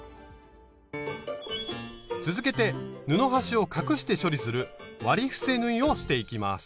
続けて布端を隠して処理する割り伏せ縫いをしていきます。